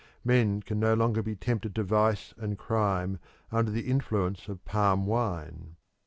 Men can no longer be tempted to vice and crime under the influence of palm wine.